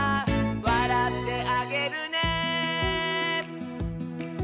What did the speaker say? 「わらってあげるね」